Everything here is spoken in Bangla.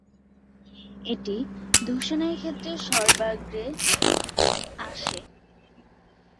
এটি দূষণের ক্ষেত্রে সর্বাগ্রে আসে।